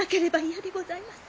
嫌でございます。